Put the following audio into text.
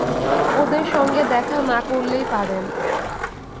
ওদের সঙ্গে দেখা না করলেই পারেন।